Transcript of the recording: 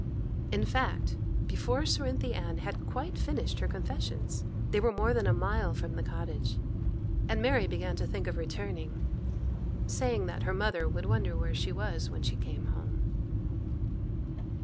In fact, before Cerinthy Ann had quite finished her confessions, they were more than a mile from the cottage, and Mary began to think of returning, saying that her mother would wonder where she was when she came home.